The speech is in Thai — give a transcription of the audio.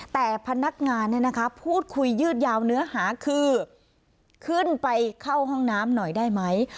แต่พนักงานพูดคุยยืดยาวเนื้อหาคือขึ้นไปเข้าห้องน้ำหน่อยได้ไหม